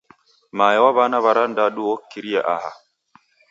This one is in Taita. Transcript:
Mae wa w'ana w'arandadu okiria aha!